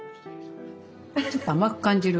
ちょっと甘く感じる。